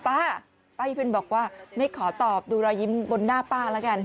ป้าป้ายังเป็นบอกว่าไม่ขอตอบดูรอยยิ้มบนหน้าป้าแล้วกัน